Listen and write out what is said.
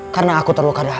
karena aku terluka dalam